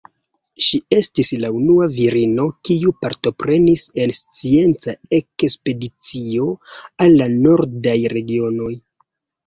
Ŝi estis la unua virino kiu partoprenis en scienca ekspedicio al la nordaj regionoj.